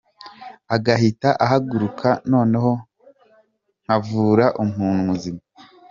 agahita ahaguruka noneho nkavura umuntu muzima .